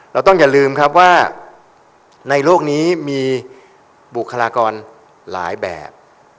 เราต้องอย่าลืมครับว่าในโลกนี้มีบุคลากรหลายแบบ